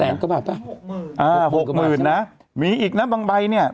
กว่าบาทป่ะอ่าหกหมื่นนะมีอีกนะบางใบเนี่ย